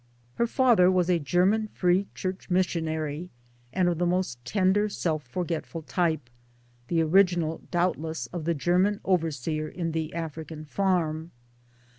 ;Her father was a German Free Church Missionary ^ of the most tender self forgetful type the original doubtless of the German overseer in The African Farm.